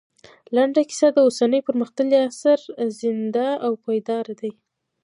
لنډه کيسه د اوسني پرمختللي عصر زېږنده او پيداوار دی